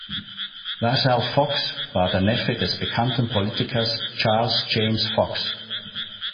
Vassall-Fox war der Neffe des bekannten Politikers Charles James Fox.